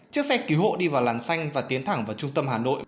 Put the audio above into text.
chiếc xe cứu hộ đi vào làn xanh và tiến thẳng vào trung tâm hà nội